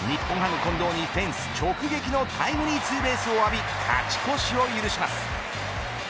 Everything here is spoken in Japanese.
日本ハム近藤にフェンス直撃のタイムリーツーベースを浴び勝ち越しを許します。